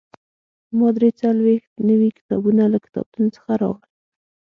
ما درې څلوېښت نوي کتابونه له کتابتون څخه راوړل.